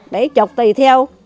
đấy chục tùy theo